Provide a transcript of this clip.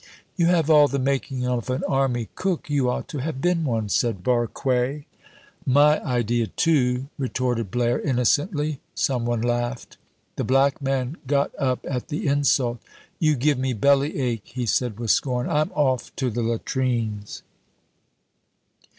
"You have all the making of an army cook you ought to have been one," said Barque. "My idea, too," retorted Blaire innocently. Some one laughed. The black man got up at the insult. "You give me belly ache," he said with scorn. "I'm off to the latrines."